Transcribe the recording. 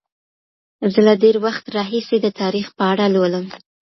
زه له ډیر وخت راهیسې د تاریخ په اړه لولم.